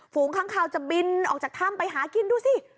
ฝูงค้างคาวจะบินออกจากถ้ำไปหากินดูสิ